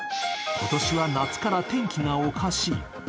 今年は夏から天気がおかしい。